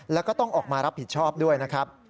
แล้วก็ต้องออกมารับผิดชอบด้วยนะครับ